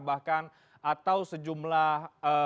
bahkan atau sejumlah